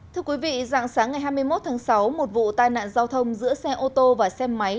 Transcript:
thưa quý vị dạng sáng ngày hai mươi một tháng sáu một vụ tai nạn giao thông giữa xe ô tô và xe máy